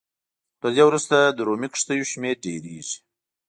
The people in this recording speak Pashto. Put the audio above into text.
خو تر دې وروسته د رومي کښتیو شمېر ډېرېږي